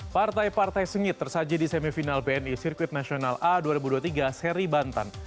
partai partai sengit tersaji di semifinal bni sirkuit nasional a dua ribu dua puluh tiga seri bantan